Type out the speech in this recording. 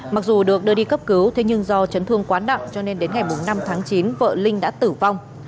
mặc dù được đưa đi cấp cứu thế nhưng do chấn thương quá nặng cho nên đến ngày năm tháng chín vợ linh đã tử vong